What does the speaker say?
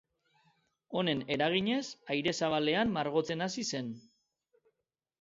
Honen eraginez, aire zabalean margotzen hasi zen.